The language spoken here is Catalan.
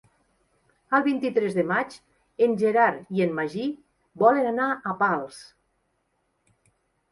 El vint-i-tres de maig en Gerard i en Magí volen anar a Pals.